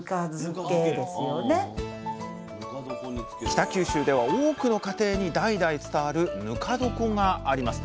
北九州では多くの家庭に代々伝わるぬか床があります。